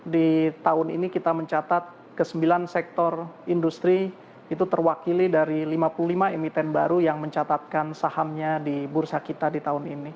di tahun ini kita mencatat ke sembilan sektor industri itu terwakili dari lima puluh lima emiten baru yang mencatatkan sahamnya di bursa kita di tahun ini